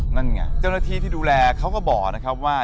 นั่นไงเจ้าหน้าที่ที่ดูแลเขาก็บอกนะครับว่า